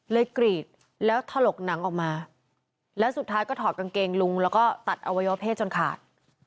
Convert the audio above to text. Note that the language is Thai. กรีดแล้วถลกหนังออกมาแล้วสุดท้ายก็ถอดกางเกงลุงแล้วก็ตัดอวัยวะเพศจนขาด